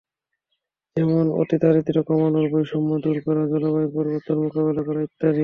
যেমন অতিদারিদ্র্য কমানো, বৈষম্য দূর করা, জলবায়ুর পরিবর্তন মোকাবিলা করা ইত্যাদি।